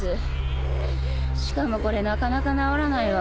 しかもこれなかなか治らないわ。